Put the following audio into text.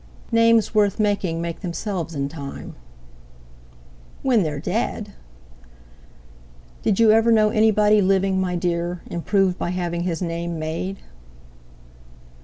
"Names worth making make themselves in time." "When they're dead." "Did you ever know anybody living, my dear, improved by having his name made?"